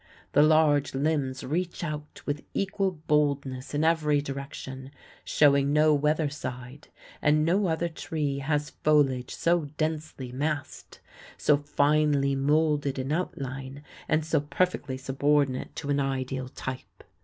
The large limbs reach out with equal boldness in every direction, showing no weather side, and no other tree has foliage so densely massed, so finely molded in outline, and so perfectly subordinate to an ideal type.